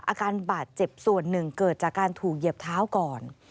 อาการบาดเจ็บส่วนหนึ่งเกิดจากการถูกเหยียบเท้าก่อน